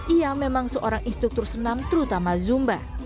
ia memang seorang instruktur senam terutama zumba